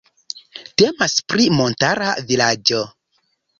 Temas pri montara vilaĝo.